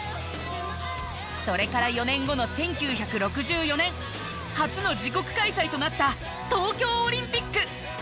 それから４年後の１９６４年初の自国開催となった東京オリンピック！